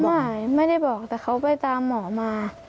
ไม่ไม่ได้บอกแต่เขาไปตามหมอมา